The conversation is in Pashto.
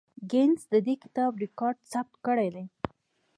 ګینس د دې کتاب ریکارډ ثبت کړی دی.